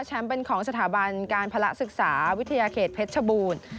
เป็นของสถาบันการภาระศึกษาวิทยาเขตเพชรชบูรณ์